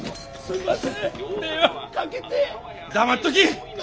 黙っとき。